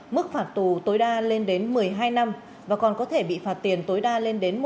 mức phạt tù tối đa lên đến một mươi hai năm và còn có thể bị phạt tiền tối đa lên đến một mươi